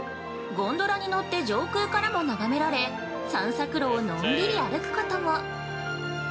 ゴンドラに乗って上空からも眺められ、散策路をのんびり歩くことも。